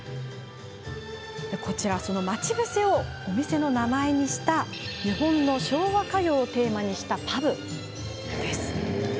こちらは、その「まちぶせ」をお店の名前にした日本の昭和歌謡をテーマにしたパブなんです。